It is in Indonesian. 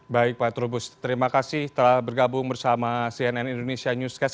baik pak trubus terima kasih telah bergabung bersama cnn indonesia newscast